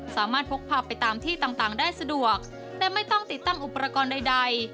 พกพาไปตามที่ต่างได้สะดวกแต่ไม่ต้องติดตั้งอุปกรณ์ใด